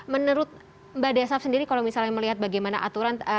menurut mbak desaf sendiri kalau misalnya melihat bagaimana aturan